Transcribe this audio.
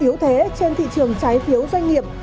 yếu thế trên thị trường trái phiếu doanh nghiệp